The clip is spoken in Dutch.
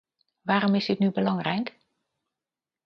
Waarom is dit nu belangrijk?